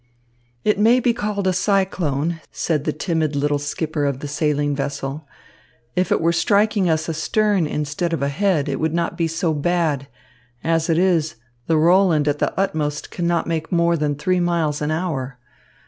"It may be called a cyclone," said the timid little skipper of the sailing vessel. "If it were striking us astern instead of ahead, it would not be so bad. As it is, the Roland at the utmost cannot make more than three miles an hour.